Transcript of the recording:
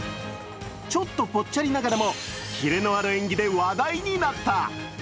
ちょっと、ぽっちゃりながらもキレのある演技で話題になった。